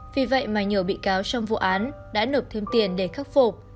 vì vậy mà nhiều bị cáo trong vụ án đã nộp thêm tiền để khắc phục